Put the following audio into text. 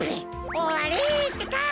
おわりってか！